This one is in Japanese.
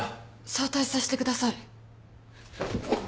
早退さしてください。